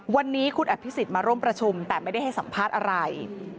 วันนี้คุณอภิษฎมาร่วมประชุมแต่ไม่ได้ให้สัมภาษณ์อะไร